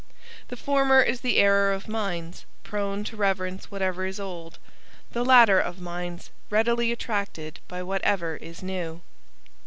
The former is the error of minds prone to reverence whatever is old, the latter of minds readily attracted by whatever is new.